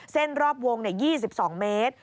เส้นรอบวง๒๒เมตร